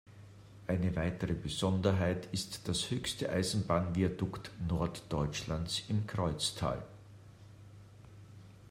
Eine weitere Besonderheit ist das höchste Eisenbahnviadukt Norddeutschlands im Kreuztal.